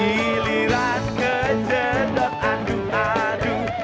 iliran ke jendot aduk aduk